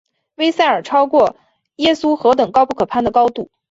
威塞尔超过耶稣何等高不可攀的高度！